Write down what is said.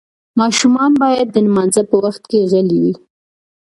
ماشومان باید د لمانځه په وخت کې غلي وي.